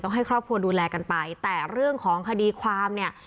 ต้องให้ครอบครัวดูแลกันไป